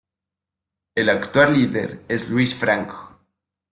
El actual líder es Luís Franco.